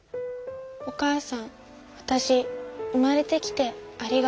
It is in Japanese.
お母さんわたし生まれてきてありがとうって。